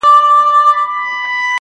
زما د زما د يار راته خبري کوه.